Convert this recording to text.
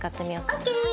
ＯＫ。